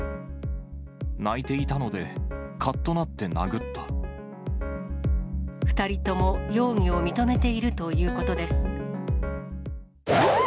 泣いていたのでかっとなって２人とも容疑を認めているということです。